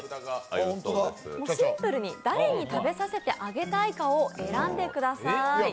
シンプルに誰に食べさせてあげたいかを選んでくでさい。